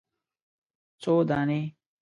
_څو دانې ؟